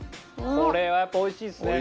これはやっぱ美味しいですね。